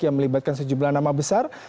yang melibatkan sejumlah nama besar